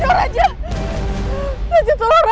tolong raja jangan tinggalin aku sama arsila